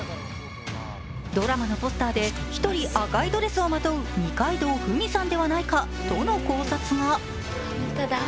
ドラマのポスターで１人、赤いドレスをまとう二階堂ふみさんではないかという考察が。